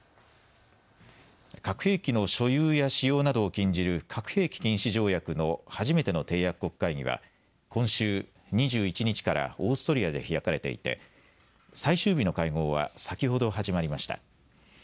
核兵器の所有や使用などを禁じる核兵器禁止条約の初めての締約国会議は今週２１日からオーストリアで開かれていて最終日の会合は先ほど始まりました。